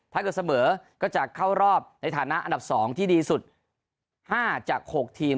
ถ้าเกิดเสมอก็จะเข้ารอบในฐานะอันดับ๒ที่ดีสุด๕จาก๖ทีม